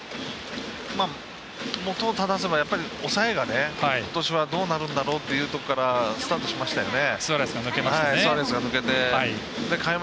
元を正せば抑えがことしはどうなるんだろうというところからスタートしましたよね。